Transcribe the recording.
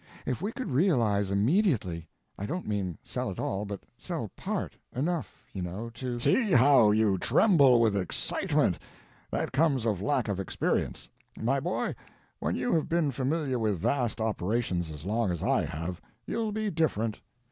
If we could realize immediately. I don't mean sell it all, but sell part—enough, you know, to—" "See how you tremble with excitement. That comes of lack of experience. My boy, when you have been familiar with vast operations as long as I have, you'll be different.